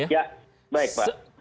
ya baik pak